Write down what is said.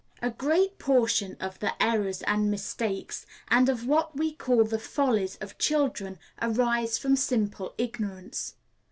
A great portion of the errors and mistakes, and of what we call the follies, of children arise from simple ignorance.